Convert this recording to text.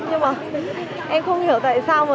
nhưng mà em không hiểu tại sao